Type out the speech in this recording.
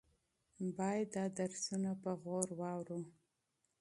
باید دا درسونه په غور واورو.